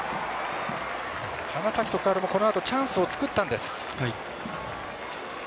花咲徳栄もこのあとチャンスを作ったんです。